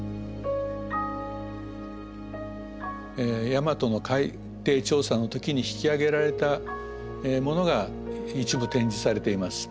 大和の海底調査の時に引き揚げられたものが一部展示されています。